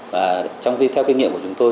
và trong khi theo kinh nghiệm của chúng tôi